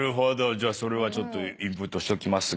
じゃそれはちょっとインプットしときますが」